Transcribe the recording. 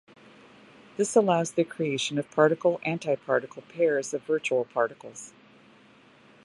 This allows the creation of particle-antiparticle pairs of virtual particles.